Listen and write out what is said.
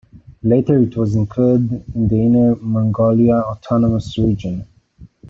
Later it was included in the Inner Mongolia Autonomous Region.